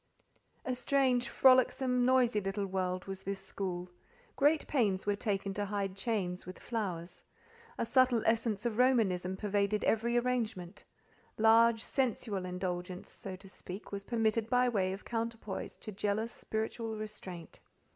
A strange, frolicsome, noisy little world was this school: great pains were taken to hide chains with flowers: a subtle essence of Romanism pervaded every arrangement: large sensual indulgence (so to speak) was permitted by way of counterpoise to jealous spiritual restraint.